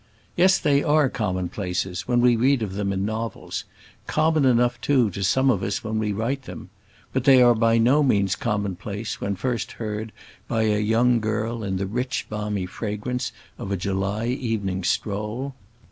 Yes, they are commonplaces when we read of them in novels; common enough, too, to some of us when we write them; but they are by no means commonplace when first heard by a young girl in the rich, balmy fragrance of a July evening stroll.